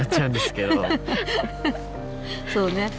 そうね。